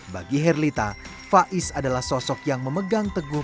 bagi herlita faiz adalah sosok yang memegang teguh